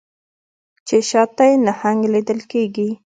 چې شا ته یې نهنګ لیدل کیږي